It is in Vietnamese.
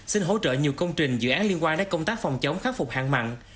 xin hỗ trợ nhiều công trình dự án liên quan đến công tác phòng chống khắc phục hạn mặn